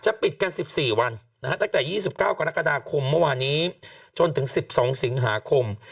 ปิดกัน๑๔วันตั้งแต่๒๙กรกฎาคมเมื่อวานี้จนถึง๑๒สิงหาคม